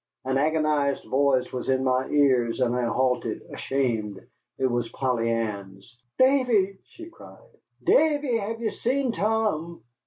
An agonized voice was in my ears, and I halted, ashamed. It was Polly Ann's. "Davy!" she cried, "Davy, have ye seen Tom?"